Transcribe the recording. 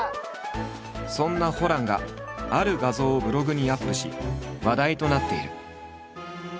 そんなホランがある画像をブログにアップし話題となっている。